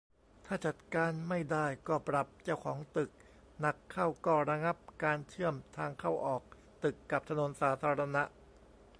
ถ้าจัดการไม่ได้ก็ปรับเจ้าของตึก หนักเข้าก็ระงับการเชื่อมทางเข้าออกตึกกับถนนสาธารณะ